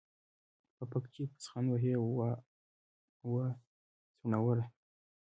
په پک چې پوسخند وهې ، وا څوڼوره.